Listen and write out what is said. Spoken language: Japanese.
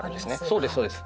そうですそうです。